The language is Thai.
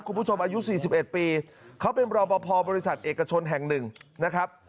คุณผู้ชมอายุสี่สิบเอ็ดปีเขาเป็นรอบพอร์บริษัทเอกชนแห่งหนึ่งนะครับ